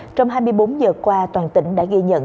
trong hai mươi bốn giờ qua toàn tỉnh đã ghi nhận